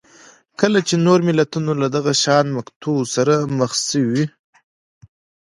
کله چې نور ملتونه له دغه شان مقطعو سره مخ شوي